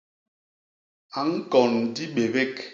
A ñkon dibébék.